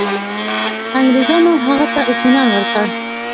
انګرېزانو هغه ته اطمیان ورکړ.